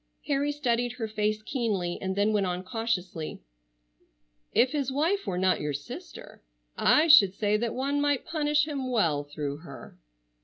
Harry studied her face keenly, and then went on cautiously: "If his wife were not your sister I should say that one might punish him well through her."